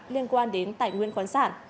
liên quan đến tài nguyên khoản sản